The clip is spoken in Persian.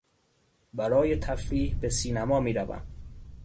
برای تفریح به سینما میروم.